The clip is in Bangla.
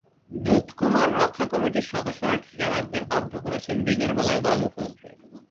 দুধকুমার রক্ষা কমিটির সদস্যরা ঠিকাদারদের বাধ্য করেছেন দিনের বেলায় বালু ফেলতে।